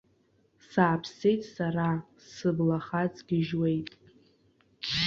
Сааԥсеит сара, сыблахаҵ гьежьуеит.